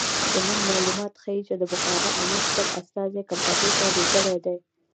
زموږ معلومات ښیي چې د بخارا امیر خپل استازي کلکتې ته لېږلي دي.